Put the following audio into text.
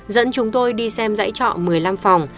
dẫn chúng tôi đi xem dãy trọ một mươi năm phòng